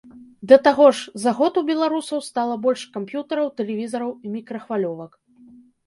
Да таго ж, за год у беларусаў стала больш камп'ютараў, тэлевізараў і мікрахвалёвак.